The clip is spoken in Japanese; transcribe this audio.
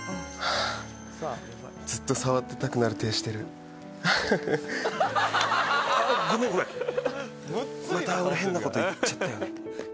ああずっと触ってたくなる手してるハハハあっごめんごめんまた俺変なこと言っちゃったよね